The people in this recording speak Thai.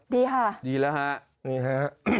ดีค่ะดีแล้วค่ะ